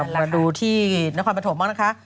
มาดูที่นครปฐมบ้างนะคะ